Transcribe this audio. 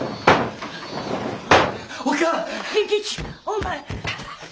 お前。